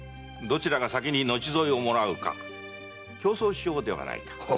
どちらが先に後添えをもらうか競争しよう。